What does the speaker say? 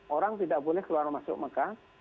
orang tidak boleh keluar masuk mekah